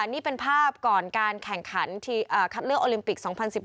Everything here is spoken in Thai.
นี่เป็นภาพก่อนการแข่งขันคัดเลือกโอลิมปิก๒๐๑๖